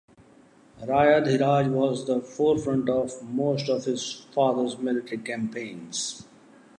Rajadhiraja was at the forefront of most of his father's military campaigns.